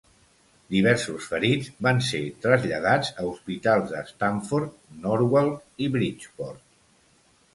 Diversos ferits van ser traslladats a hospitals de Stamford, Norwalk i Bridgeport.